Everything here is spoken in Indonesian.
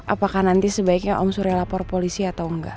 apakah nanti sebaiknya om surya lapor polisi atau enggak